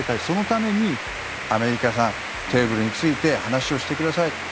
そのために、アメリカさんテーブルに着いて話をしてください。